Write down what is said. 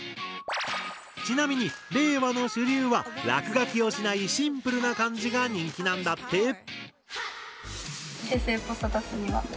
ちなみに令和の主流は落書きをしないシンプルな感じが人気なんだって！